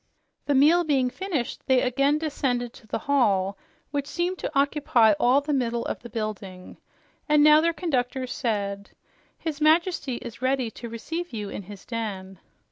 The meal being finished, they again descended to the hall, which seemed to occupy all the middle of the building. And now their conductors said, "His Majesty is ready to receive you in his den."